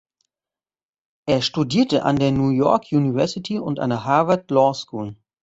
Er studierte an der New York University und an der Harvard Law School.